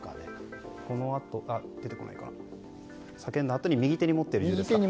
叫んだあとに右手に持っていますね。